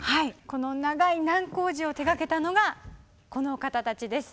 この長い難工事を手がけたのがこの方たちです。